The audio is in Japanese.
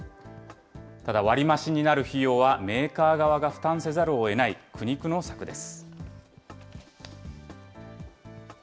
ただ、割り増しになる費用はメーカー側が負担せざるをえない、苦肉の策です。